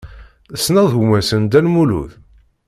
Tessneḍ gma-s n Dda Lmulud?